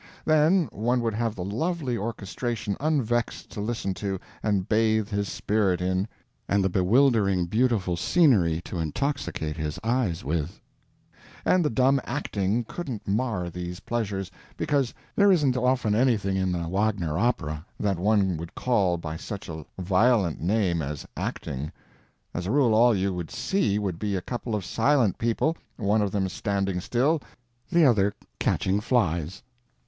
Then one would have the lovely orchestration unvexed to listen to and bathe his spirit in, and the bewildering beautiful scenery to intoxicate his eyes with, and the dumb acting couldn't mar these pleasures, because there isn't often anything in the Wagner opera that one would call by such a violent name as acting; as a rule all you would see would be a couple of silent people, one of them standing still, the other catching flies.